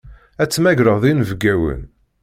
Ad temmagreḍ inebgawen.